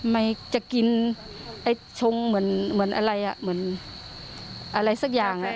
ไม่จะกินไอ้ชงเหมือนอะไรสักอย่าง